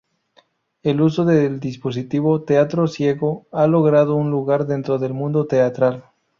El usos del dispositivo "Teatro Ciego" ha logrado un lugar dentro del mundo teatral.